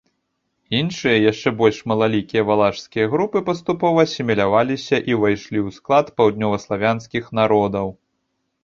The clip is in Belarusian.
Іншыя, яшчэ больш малалікія валашскія групы паступова асіміляваліся і ўвайшлі ў склад паўднёваславянскіх народаў.